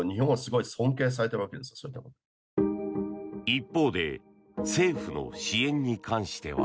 一方で政府の支援に関しては。